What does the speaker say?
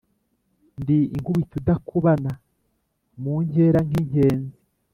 Ndi Inkubito idakubana mu nkera nk' inkenzi